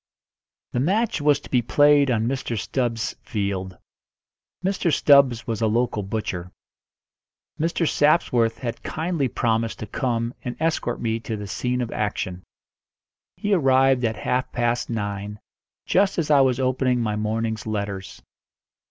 The match was to be played on Mr. Stubbs's field. Mr. Stubbs was a local butcher. Mr. Sapsworth had kindly promised to come and escort me to the scene of action. He arrived at half past nine, just as I was opening my morning's letters.